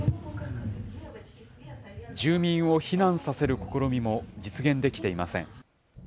住民を避難させる試みも実現できていません。